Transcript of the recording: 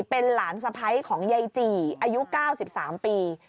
เป็นหลานสะพ้ายของยายจี่อายุ๙๓ปี